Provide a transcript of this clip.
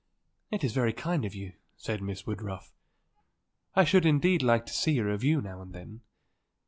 "It is very kind of you," said Miss Woodruff. "I should indeed like to see a review now and then.